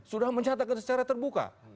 sudah mencatatkan secara terbuka